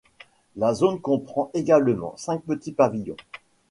La zone comprend également cinq petits pavillons.